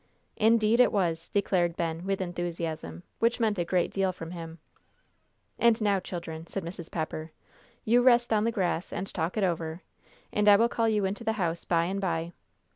"Indeed it was!" declared Ben with enthusiasm, which meant a great deal from him. "And now, children," said Mrs. Pepper, "you rest on the grass and talk it over, and I will call you into the house by and by."